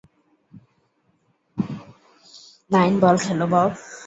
Nine ball খেলো, Bob.